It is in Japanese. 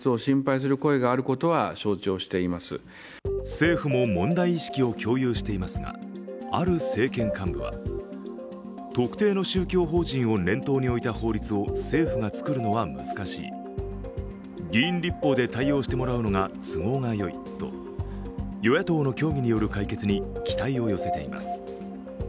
政府も問題意識を共有していますが、ある政権幹部は特定の宗教法人を念頭に置いた法律を政府を作るのは難しい、議員立法で対応してもらうのが都合がよいと与野党の協議による解決に期待を寄せています。